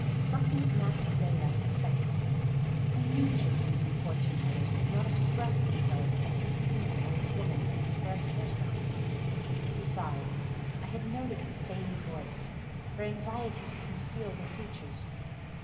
Something of masquerade I suspected. I knew gipsies and fortune tellers did not express themselves as this seeming old woman had expressed herself; besides I had noted her feigned voice, her anxiety to conceal her features.